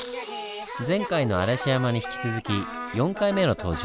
前回の嵐山に引き続き４回目の登場。